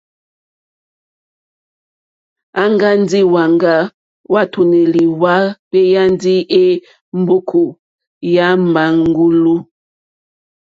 Aŋga ndi hwaŋga hwàtùnèlì hwa kpeyani è mbòkò yà màŋgulu.